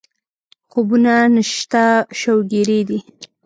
خوبونه نشته شوګېري دي